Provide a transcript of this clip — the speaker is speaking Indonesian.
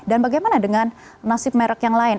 dan bagaimana dengan nasib merek yang lain